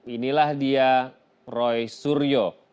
inilah dia roy suryo